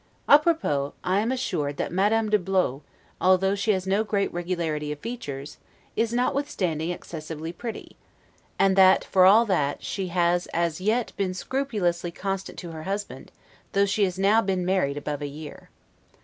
'A propos', I am assured, that Madame de Blot, although she has no great regularity of features, is, notwithstanding, excessively pretty; and that, for all that, she has as yet been scrupulously constant to her husband, though she has now been married above a year.